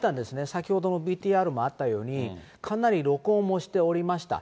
先ほどもＶＴＲもあったように、かなり録音もしておりました。